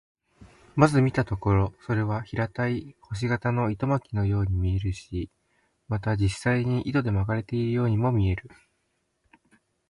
まず見たところ、それは平たい星形の糸巻のように見えるし、また実際に糸で巻かれているようにも見える。